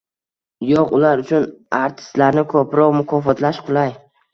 Yo‘q, ular uchun artistlarni ko‘proq mukofotlash qulay.